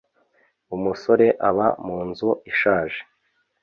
Umusore aba munzu ishaje.